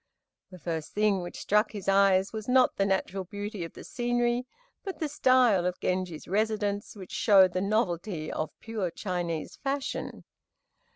The first thing which struck his eyes was, not the natural beauty of the scenery, but the style of Genji's residence, which showed the novelty of pure Chinese fashion.